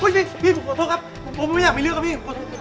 พี่ผมขอโทษครับผมไม่อยากมีเรื่องกับพี่